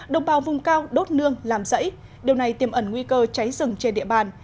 đồng bào vùng cao đốt nương làm rẫy điều này tiêm ẩn nguy cơ cháy rừng trên địa bàn